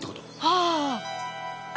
ああ。